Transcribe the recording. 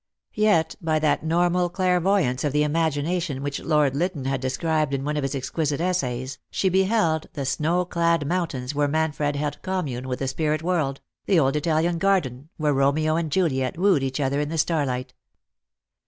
Yet, by that normal clairvoyance of the imagination which Lord Lytton has described in one of his exquisite essays, she beheld the snow clad mountains where Manfred held commune with the spirit world, the old Italian garden where Romeo and Juliet wooed each other in the starlight.